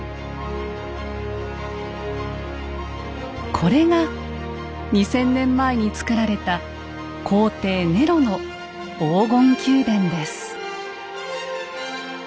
これが２，０００年前に造られた皇帝ネロの黄金宮殿です。